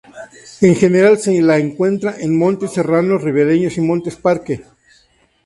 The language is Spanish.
En general se la encuentra en montes serranos, ribereños y montes parque.